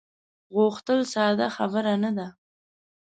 غوښتل ساده خبره نه ده.